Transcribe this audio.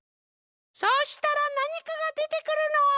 そうしたらなにかがでてくるの。